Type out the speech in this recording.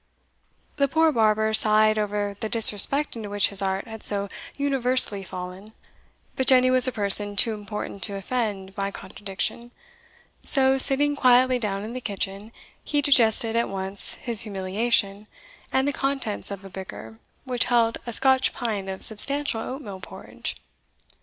The poor barber sighed over the disrespect into which his art had so universally fallen, but Jenny was a person too important to offend by contradiction; so, sitting quietly down in the kitchen, he digested at once his humiliation, and the contents of a bicker which held a Scotch pint of substantial oatmeal porridge.